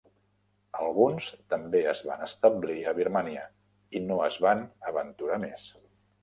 Alguns també es van establir a Birmània i no es van aventurar més.